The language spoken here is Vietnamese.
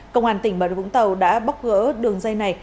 công an tỉnh bà rịa vũng tàu đã bóc gỡ đường dây này